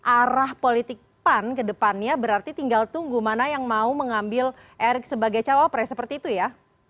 arah politik pan ke depannya berarti tinggal tunggu mana yang mau mengambil erick sebagai cawapres seperti itu ya